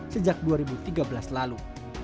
sejak dua ribu tiga belas lalu